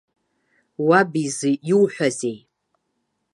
Уаб изы иуҳәозеи?